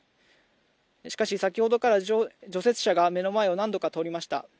しかし、先ほどから除雪車が目の前を何度も通りました。